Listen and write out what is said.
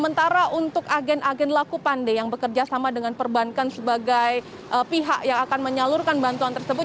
sementara untuk agen agen laku pandai yang bekerja sama dengan perbankan sebagai pihak yang akan menyalurkan bantuan tersebut